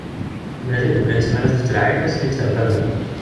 Ula d imddukal-is mi ara as-d-ttalaɛin ur asen-itterfad ara.